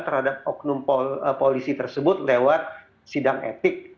terhadap oknum polisi tersebut lewat sidang etik